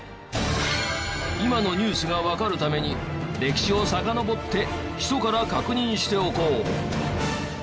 今のニュースがわかるために歴史をさかのぼって基礎から確認しておこう！